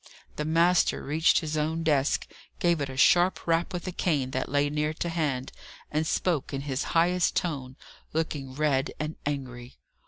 The master reached his own desk, gave it a sharp rap with a cane that lay near to hand, and spoke in his highest tone, looking red and angry.